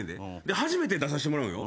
初めて出させてもらうんよ？